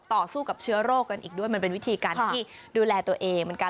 ต่อสู้กับเชื้อโรคกันอีกด้วยมันเป็นวิธีการที่ดูแลตัวเองเหมือนกัน